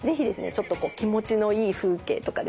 ちょっとこう気持ちのいい風景とかですね